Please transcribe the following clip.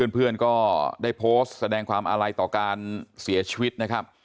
เพื่อนก็ได้โพสต์แสดงความอาลัยต่อการเสียชีวิตนะครับ